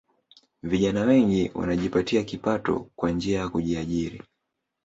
Vijana wengi wanajipatia kipato kwa njia ya kujiajiri